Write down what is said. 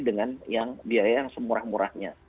dengan yang biaya yang semurah murahnya